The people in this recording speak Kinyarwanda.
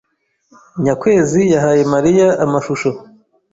Nyakwezi yahaye Mariya amashusho.